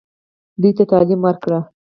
دوی ته تعلیم ورکړئ